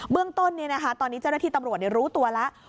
เรื่องต้นตอนนี้เจ้าหน้าที่ตำรวจรู้ตัวแล้ว